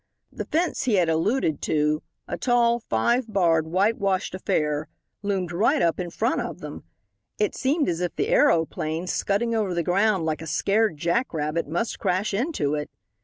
The fence he had alluded to, a tall, five barred, white washed affair, loomed right up in front of them. It seemed as if the aeroplane, scudding over the ground like a scared jackrabbit, must crash into it.